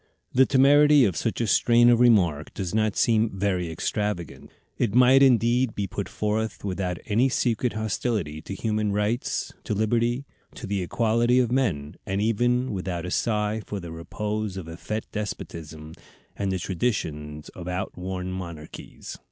The temerity of such a strain of remark does not seem very extravagant; it might indeed be put forth without any secret hostility to human rights, to liberty, to the equality of men, and even without a sigh for the repose of effete despotisms, and the traditions of outworn monarchies.